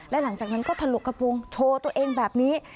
และหลังจากนั้นก็ถลกกระโปรงโชว์ตัวเองแบบนี้